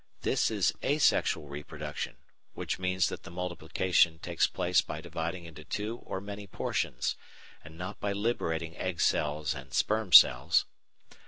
This is asexual reproduction, which means that the multiplication takes place by dividing into two or many portions, and not by liberating egg cells and sperm cells.